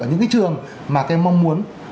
ở những cái trường mà các em mong muốn